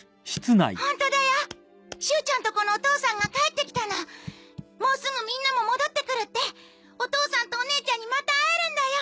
ホントだよシュウちゃんとこのお父さんが帰ってきたのもうすぐみんなも戻ってくるってお父さんとお姉ちゃんにまた会えるんだよ！